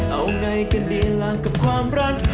เอาไงกันดีล่ะกับความรัก